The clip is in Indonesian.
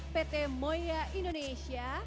pt moya indonesia